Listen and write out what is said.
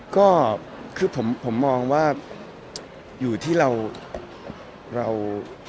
ก็คือผมมองว่าอยู่ที่เรา